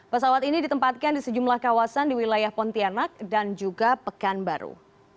pesawat ini ditempatkan di sejumlah kawasan di wilayah pontianak dan juga pekanbaru